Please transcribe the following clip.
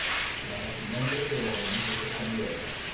Lava su nombre, pero renuncia a ser candidato.